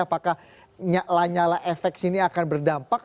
apakah nyala nyala efek sini akan berdampak